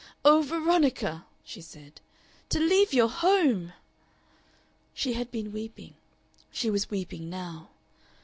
"Oh, Veronica!" she said, "to leave your home!" She had been weeping. She was weeping now.